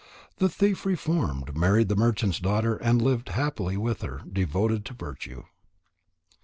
The thief reformed, married the merchant's daughter, and lived happily with her, devoted to virtue.